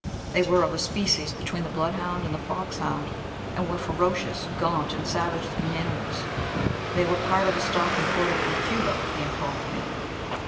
They were of a species between the bloodhound and the foxhound, and were ferocious, gaunt, and savage looking animals. They were part of a stock imported from Cuba, he informed me.